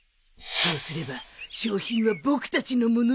そうすれば賞品は僕たちの物さ。